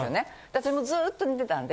私もずっと寝てたんで。